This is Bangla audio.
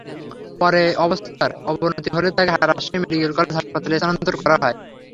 পরে অবস্থার অবনতি হলে তাঁকে রাজশাহী মেডিকেল কলেজ হাসপাতালে স্থানান্তর করা হয়।